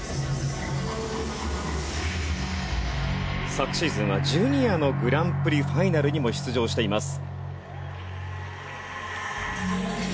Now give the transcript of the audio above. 昨シーズンはジュニアのグランプリファイナルにも出場しています。